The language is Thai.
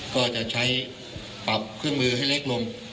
ก็จะใช้ปรับเครื่องมือให้เล็กลง